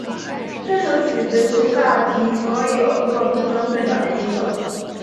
这首曲子是萨提的所有作品中最短的一首。